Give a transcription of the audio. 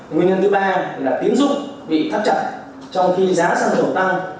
nguyên nhân thứ ba là tiến dụng bị thấp chậm trong khi giá xăng dầu tăng